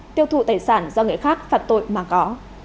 tiêu thụ tài sản do người khác phạm tội mà có